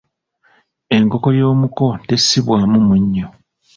Enkoko y’omuko tessibwamu munnyo.